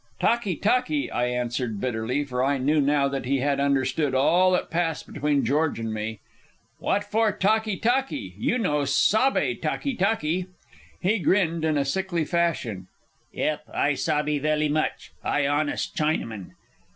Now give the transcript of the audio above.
"Talkee talkee," I answered bitterly, for I knew now that he had understood all that passed between George and me. "What for talkee talkee? You no sabbe talkee talkee." He grinned in a sickly fashion. "Yep, I sabbe velly much. I honest Chinaman."